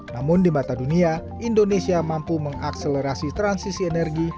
namun di mata dunia indonesia mampu mengakselerasi transisi energi